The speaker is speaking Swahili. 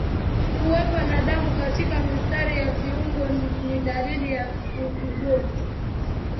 Kuwepa na damu katika mistari ya viungo ni dalili ya ugonjwa